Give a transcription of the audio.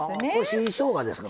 新しょうがですか？